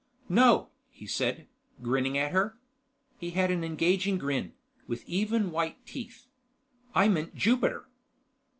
"No," he said, grinning at her. He had an engaging grin, with even white teeth. "I meant Jupiter."